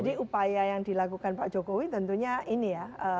jadi upaya yang dilakukan pak jokowi tentunya ini ya